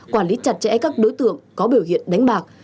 quản lý chặt chẽ các đối tượng có biểu hiện đánh bạc